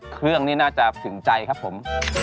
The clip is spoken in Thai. เครื่องนี้น่าจะถึงใจครับผม